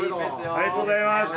ありがとうございます。